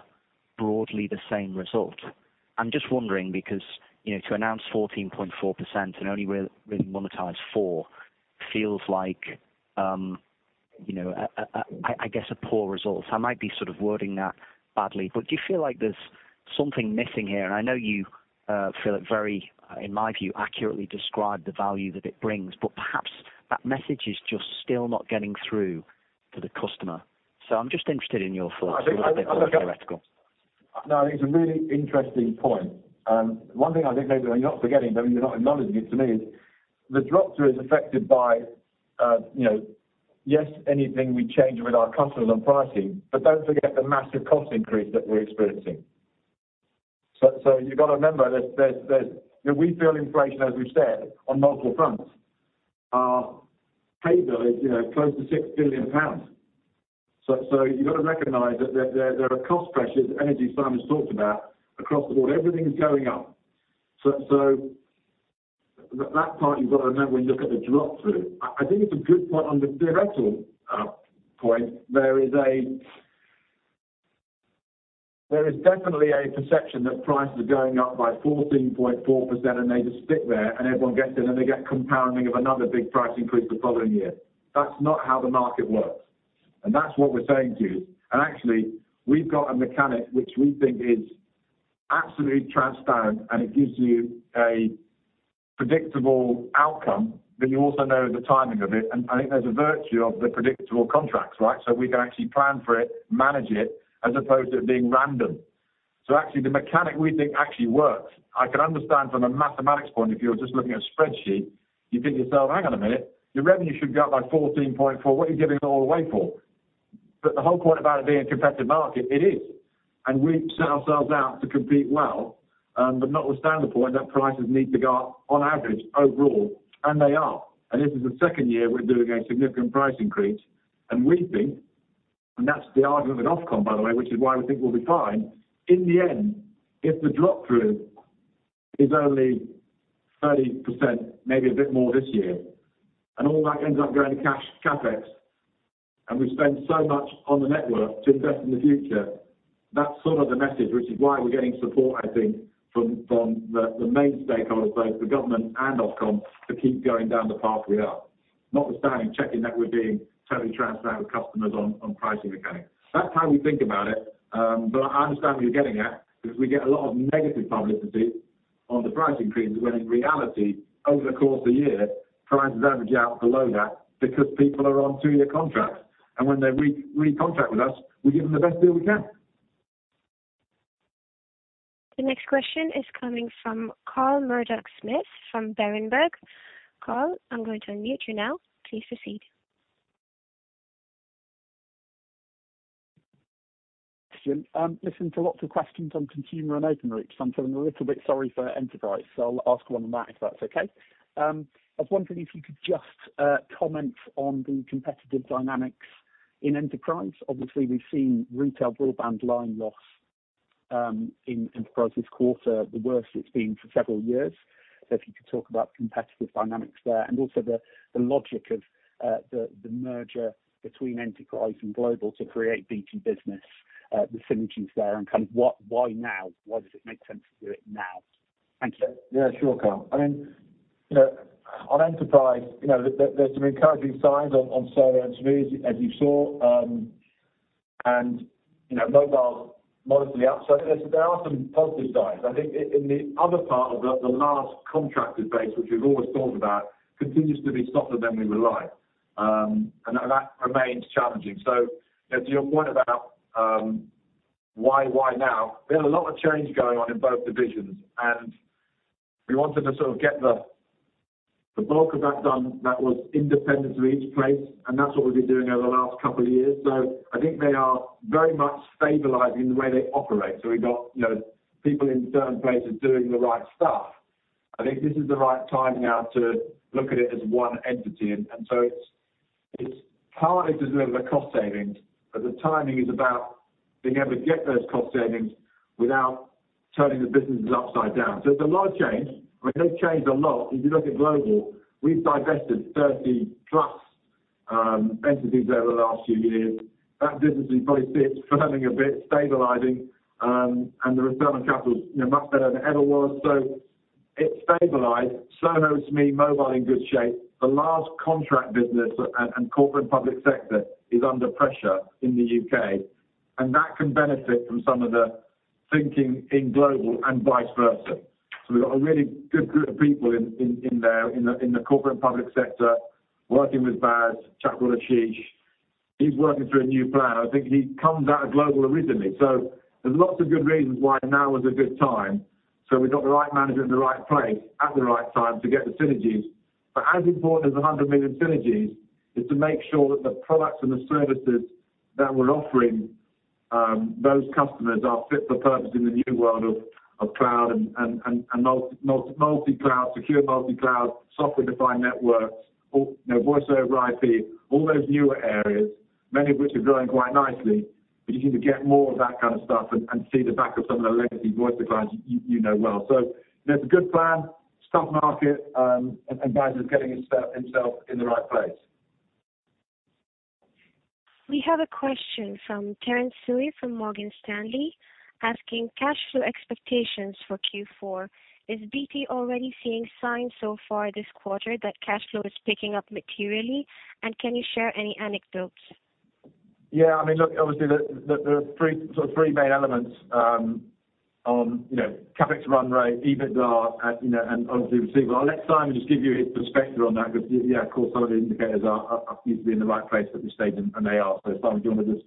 broadly the same result? I'm just wondering because, you know, to announce 14.4% and only really monetize 4% feels like, you know, I guess a poor result. I might be sort of wording that badly, but do you feel like there's something missing here? I know you, Philip, very, in my view, accurately described the value that it brings, but perhaps that message is just still not getting through to the customer. I'm just interested in your thoughts. It's a little bit more theoretical. No, it's a really interesting point. One thing I think maybe you're not forgetting, but you're not acknowledging it to me is the drop-through is affected by, you know, yes, anything we change with our customers on pricing, but don't forget the massive cost increase that we're experiencing. You've gotta remember there's, you know, we feel inflation, as we've said, on multiple fronts. Our pay bill is, you know, close to 6 billion pounds. You've gotta recognize that, there are cost pressures, energy Simon's talked about, across the board. Everything's going up. That part you've gotta remember when you look at the drop-through. I think it's a good point on the theoretical point. There is a. There is definitely a perception that prices are going up by 14.4%, and they just sit there, and everyone gets it, and they get compounding of another big price increase the following year. That's not how the market works. That's what we're saying to you. Actually, we've got a mechanic which we think is Absolutely transparent, it gives you a predictable outcome, but you also know the timing of it. I think there's a virtue of the predictable contracts, right? We can actually plan for it, manage it, as opposed to it being random. Actually, the mechanic we think actually works. I can understand from a mathematics point, if you're just looking at a spreadsheet, you think to yourself, hang on a minute, your revenue should go up by 14.4%. What are you giving it all away for? The whole point about it being a competitive market, it is. We set ourselves out to compete well, but notwithstanding the point that prices need to go up on average overall, and they are. This is the second year we're doing a significant price increase. We think, and that's the argument of Ofcom, by the way, which is why we think we'll be fine. In the end, if the drop through is only 30%, maybe a bit more this year, and all that ends up going to cash CapEx, and we spend so much on the network to invest in the future, that's sort of the message, which is why we're getting support, I think, from the main stakeholders, both the government and Ofcom, to keep going down the path we are. Notwithstanding checking that we're being totally transparent with customers on pricing mechanics. That's how we think about it. I understand what you're getting at, because we get a lot of negative publicity on the price increases, when in reality, over the course of the year, prices average out below that because people are on 2-year contracts. When they recontract with us, we give them the best deal we can. The next question is coming from Carl Murdock-Smith from Berenberg. Carl, I'm going to unmute you now. Please proceed. Carl. listened to lots of questions on consumer and Openreach. I'm feeling a little bit sorry for enterprise, so I'll ask one on that, if that's okay? I was wondering if you could just comment on the competitive dynamics in enterprise. Obviously, we've seen retail broadband line loss, in enterprise this quarter, the worst it's been for several years. If you could talk about competitive dynamics there, and also the logic of the merger between enterprise and global to create BT Business, the synergies there and kind of why now? Why does it make sense to do it now? Thank you. Yeah, sure, Carl. I mean, you know, on enterprise, you know, there's some encouraging signs on SoHo and SME, as you saw. You know, mobile's modestly up. There are some positive signs. I think in the other part of the large contracted base, which we've always talked about, continues to be softer than we would like. That remains challenging. To your point about why now? We have a lot of change going on in both divisions, and we wanted to sort of get the bulk of that done that was independent to each place. That's what we've been doing over the last couple of years. I think they are very much stabilizing the way they operate. We've got, you know, people in certain places doing the right stuff. I think this is the right time now to look at it as one entity. It's partly to deliver cost savings, but the timing is about being able to get those cost savings without turning the businesses upside down. It's a lot of change. I mean, they've changed a lot. If you look at global, we've divested 30 plus entities over the last few years. That business you probably see it's firming a bit, stabilizing, and the return on capital's, you know, much better than it ever was. It's stabilized. SoHo, SME, mobile in good shape. The large contract business and corporate and public sector is under pressure in the U.K., and that can benefit from some of the thinking in global and vice versa. We've got a really good group of people in there, in the corporate public sector working with Bas, Thakral Ashish. He's working through a new plan. I think he comes out of Global originally. There's lots of good reasons why now is a good time. We've got the right manager in the right place at the right time to get the synergies. As important as the 100 million synergies is to make sure that the products and the services that we're offering those customers are fit for purpose in the new world of cloud and multi-cloud, secure multi-cloud, software-defined networks, all, you know, Voice over IP, all those newer areas, many of which are growing quite nicely. You need to get more of that kind of stuff and see the back of some of the legacy voice declines you know well. There's a good plan, stump market, and Bas is getting himself in the right place. We have a question from Terence Tsui from Morgan Stanley asking cash flow expectations for Q4. Is BT already seeing signs so far this quarter that cash flow is picking up materially? Can you share any anecdotes? Yeah. I mean, look, obviously there are three main elements, on, you know, CapEx run rate, EBITDA, and obviously receivable. I'll let Simon just give you his perspective on that because, yeah, of course, some of the indicators are usually in the right place at this stage, and they are. Simon, do you want to just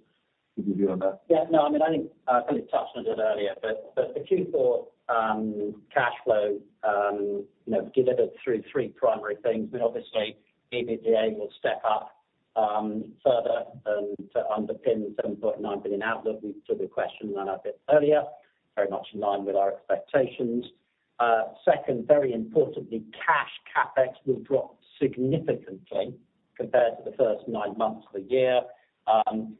give your view on that? Yeah. No, I mean, I think, Philip touched on it earlier, but the Q4 cash flow, you know, delivered through three primary things. I mean, obviously, EBITDA will step up further and to underpin the 7.9 billion outlook. We took a question on that a bit earlier, very much in line with our expectations. Second, very importantly, cash CapEx will drop significantly compared to the first nine months of the year.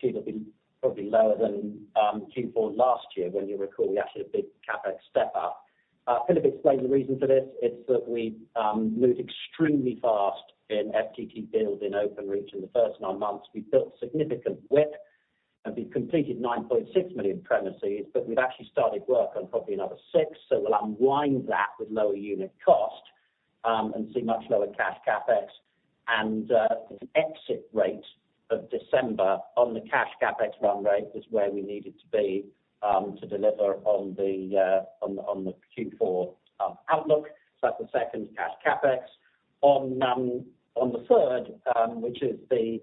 It'll be probably lower than Q4 last year, when you recall we actually had a big CapEx step up. Philip explained the reason for this. It's that we moved extremely fast in FTTP build in Openreach in the first nine months. We built significant width, and we've completed 9.6 million premises, but we've actually started work on probably another six. We'll unwind that with lower unit cost, and see much lower cash CapEx and this exit rate of December on the cash CapEx run rate is where we need it to be to deliver on the Q4 outlook. That's the second, cash CapEx. The third, which is the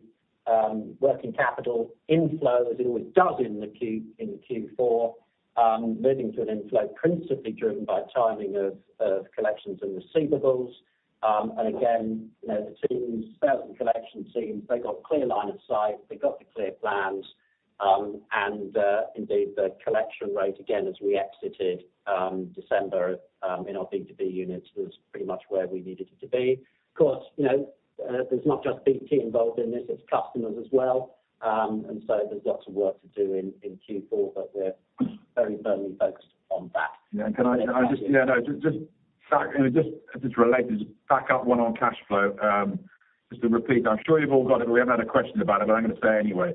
working capital inflow, as it always does in the Q4, moving to an inflow principally driven by timing of collections and receivables. Again, you know, the teams, sales and collection teams, they've got clear line of sight. They've got the clear plans. Indeed, the collection rate again, as we exited, December, in our B2B units was pretty much where we needed it to be. Of course, you know, there's not just BT involved in this, it's customers as well. There's lots of work to do in Q4, but we're very firmly focused on that. Yeah. Can I just, yeah, no, just as it is related, just back up one on cash flow. Just to repeat, I'm sure you've all got it, we haven't had a question about it, but I'm gonna say anyway.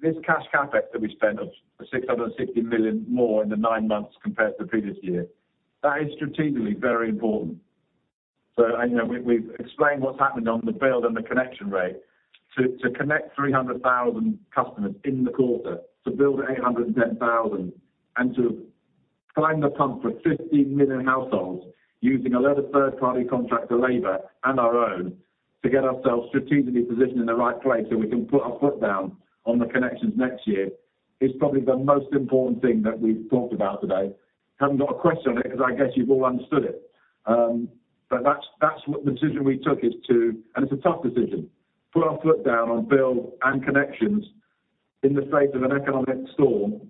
This cash CapEx that we spent of 660 million more in the nine months compared to the previous year, that is strategically very important. You know, we've explained what's happened on the build and the connection rate. To connect 300,000 customers in the quarter, to build 810,000, and to climb the pump for 15 million households using a lot of third-party contractor labor and our own to get ourselves strategically positioned in the right place so we can put our foot down on the connections next year is probably the most important thing that we've talked about today. Haven't got a question on it 'cause I guess you've all understood it. But that's what the decision we took is to. It's a tough decision, put our foot down on build and connections in the face of an economic storm.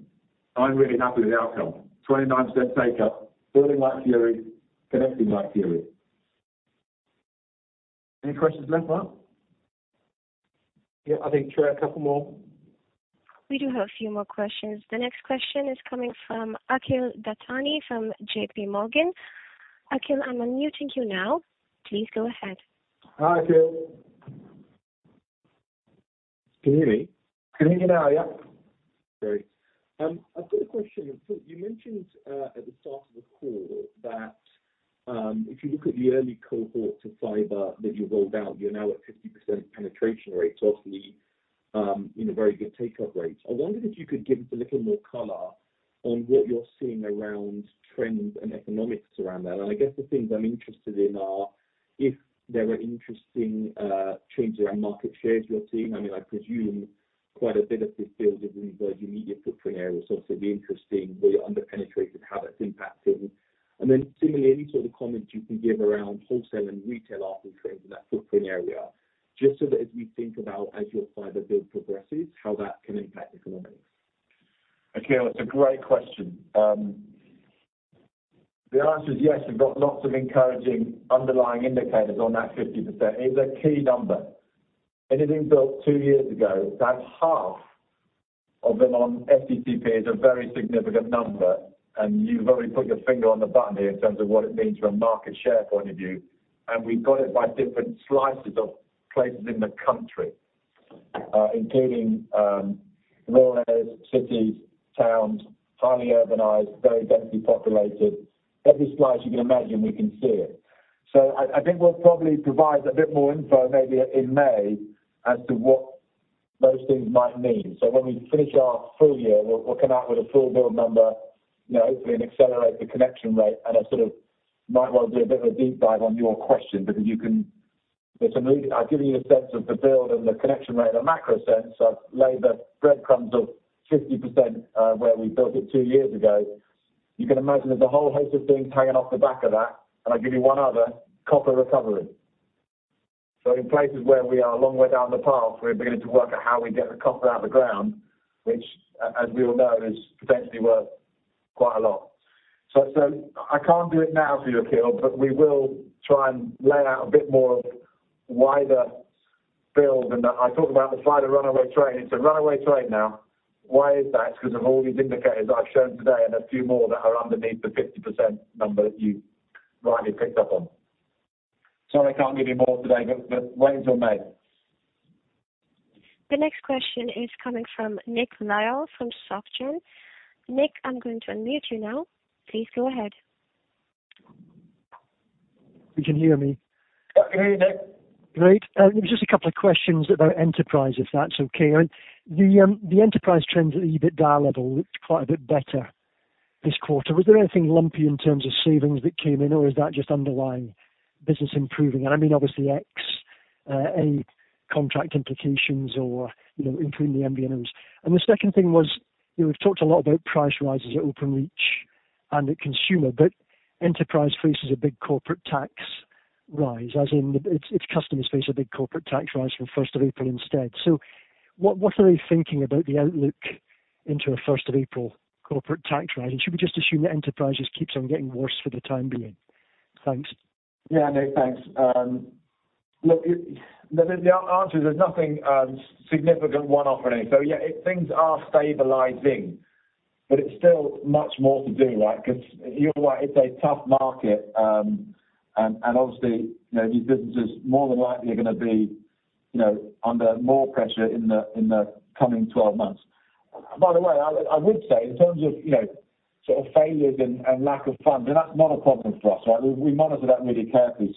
I'm really happy with the outcome. 29% take up, building like fury, connecting like fury. Any questions left, Marc? Yeah, I think, Trey, a couple more. We do have a few more questions. The next question is coming from Akhil Dattani from JPMorgan. Akhil, I'm unmuting you now. Please go ahead. Hi, Akhil. Can you hear me? Can hear you now, yeah. Great. I've got a question. You mentioned at the start of the call that, if you look at the early cohort to fibre that you rolled out, you're now at 50% penetration rate. Obviously, you know, very good take-up rate. I wonder if you could give us a little more color on what you're seeing around trends and economics around that. I guess the things I'm interested in are, if there are interesting changes in market shares you're seeing. I mean, I presume quite a bit of this build is in the immediate footprint area, obviously it'd be interesting where you're under-penetrated, how that's impacting. Similarly, any sort of comments you can give around wholesale and retail offer trends in that footprint area, just so that as we think about as your fiber build progresses, how that can impact economics. Akhil, it's a great question. The answer is yes, we've got lots of encouraging underlying indicators on that 50%. It's a key number. Anything built two years ago, to have half of them on FTTP is a very significant number. You've already put your finger on the button here in terms of what it means from a market share point of view. We've got it by different slices of places in the country, including rural areas, cities, towns, highly urbanized, very densely populated. Every slice you can imagine, we can see it. I think we'll probably provide a bit more info maybe in May as to what those things might mean. When we finish our full year, we'll come out with a full build number, you know, hopefully and accelerate the connection rate. I sort of might want to do a bit of a deep dive on your question because you can. There's some really. I've given you a sense of the build and the connection rate in a macro sense. I've laid the breadcrumbs of 50%, where we built it two years ago. You can imagine there's a whole host of things hanging off the back of that, and I give you one other, copper recovery. In places where we are a long way down the path, we're beginning to work out how we get the copper out the ground, which as we all know, is potentially worth quite a lot. I can't do it now for you, Akhil, but we will try and lay out a bit more of wider build than that. I talk about the fiber runaway train. It's a runaway train now. Why is that? It's 'cause of all these indicators I've shown today and a few more that are underneath the 50% number that you rightly picked up on. Sorry, I can't give you more today, but wait until May. The next question is coming from Nick Lyall from Societe Generale. Nick, I'm going to unmute you now. Please go ahead. If you can hear me. Yeah. Can hear you, Nick. Great. It was just a couple of questions about Enterprise, if that's okay. I mean, the Enterprise trends at the EBITDA level looked quite a bit better this quarter. Was there anything lumpy in terms of savings that came in or is that just underlying business improving? I mean, obviously, any contract implications or, you know, including the MVNOs. The second thing was, you know, we've talked a lot about price rises at Openreach and at Consumer, but Enterprise faces a big corporate tax rise, as in its customers face a big corporate tax rise from the first of April instead. What are they thinking about the outlook into a first of April corporate tax rise? Should we just assume that Enterprise just keeps on getting worse for the time being? Thanks. Yeah, Nick. Thanks. The answer is there's nothing significant one-off or anything. Yeah, things are stabilizing, but it's still much more to do, right? 'Cause you're right, it's a tough market. Obviously, you know, these businesses more than likely are gonna be, you know, under more pressure in the coming 12 months. By the way, I would say in terms of, you know, sort of failures and lack of funds, that's not a problem for us, right? We monitor that really carefully.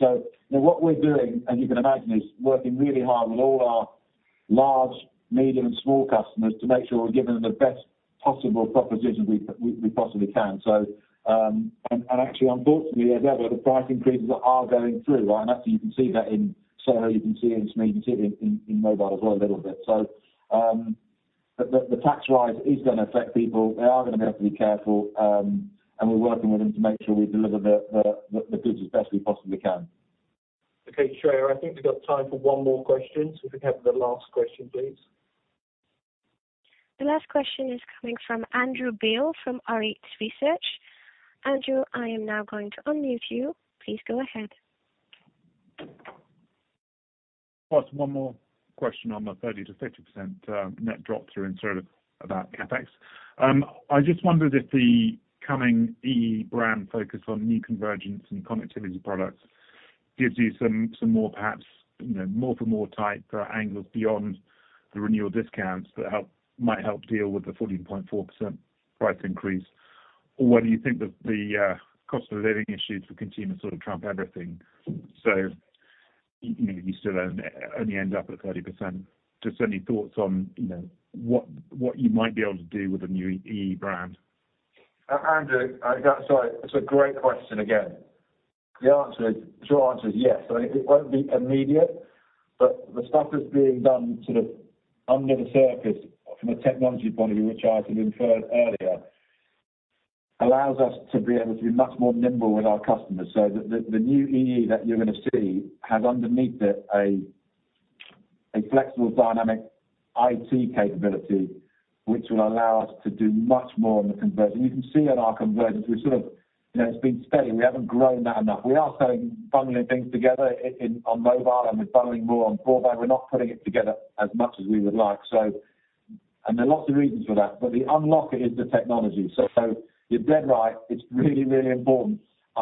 What we're doing, as you can imagine, is working really hard with all our large, medium, and small customers to make sure we're giving them the best possible proposition we possibly can. Actually, unfortunately, as ever, the price increases are going through, right? Ctually you can see that in solar, you can see it in speed, you can see it in mobile as well a little bit. The tax rise is gonna affect people. They are gonna be able to be careful, and we're working with them to make sure we deliver the goods as best we possibly can. Treyer, I think we've got time for one more question. If we can have the last question, please. The last question is coming from Andrew Beale from Arete Research. Andrew, I am now going to unmute you. Please go ahead. Just one more question on the 30%-50% net drop through in sort of about the effects. I just wondered if the coming EE brand focus on new convergence and connectivity products gives you some more perhaps, you know, more for more type angles beyond the renewal discounts that might help deal with the 14.4% price increase. Or whether you think that the cost of living issues for consumers sort of trump everything. You know, you still only end up at 30%. Just any thoughts on, you know, what you might be able to do with the new EE brand. Andrew, sorry. It's a great question again. The short answer is yes. It won't be immediate, but the stuff that's being done sort of under the surface from a technology point of view, which I sort of inferred earlier, allows us to be able to be much more nimble with our customers. The, the new EE that you're gonna see has underneath it a flexible dynamic IT capability which will allow us to do much more in the conversion. You can see in our conversions, we're sort of, you know, it's been steady. We haven't grown that enough. We are starting bundling things together on mobile and we're bundling more on broadband. We're not putting it together as much as we would like. There are lots of reasons for that, but the unlocker is the technology. You're dead right. It's really, really important.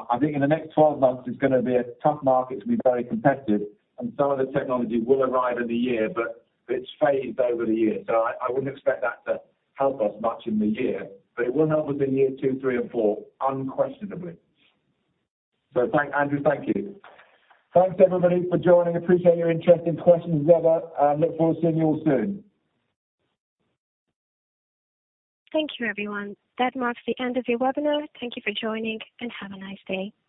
I think in the next 12 months, it's gonna be a tough market to be very competitive, and some of the technology will arrive in the year, but it's phased over the year. I wouldn't expect that to help us much in the year, but it will help us in year two, three and four unquestionably. Thank Andrew, thank you. Thanks, everybody, for joining. Appreciate your interest and questions as ever, and look forward to seeing you all soon. Thank you, everyone. That marks the end of the webinar. Thank you for joining, and have a nice day.